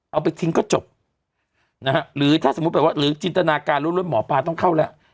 เอาไปทิ้งก็จบนะฮะหรือถ้าสมมุติแบบว่าหรือจินตนาการรวดหมอปลาต้องเข้าแล้ว